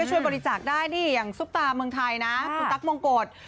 ช่วยบริจาคได้นี่อย่างซุปตาเมืองไทยนะคุณตั๊กมงกฎ